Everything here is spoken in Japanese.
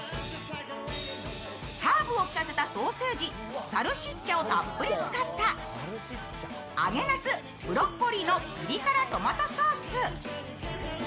ハーブをきかせたソーセージサルシッチャをたっぷり使った、揚げ茄子・ブロッコリーのピリ辛トマトソース。